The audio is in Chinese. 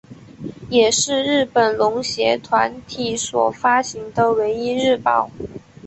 也是日本农协团体所发行的唯一日报。